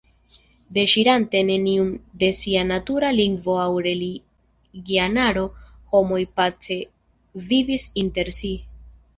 Deŝirante neniun de sia natura lingvo aŭ religianaro, homoj pace vivis inter si.